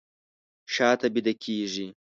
شاته بیده کیږي